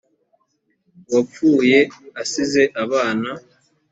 uwapfuye asize abana.